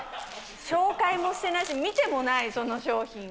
紹介もしてないし見てもない、その商品を。